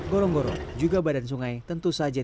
bekerja atau berdwardi